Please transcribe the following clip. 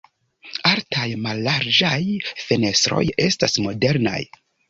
Altaj mallarĝaj fenestroj estas modernaj.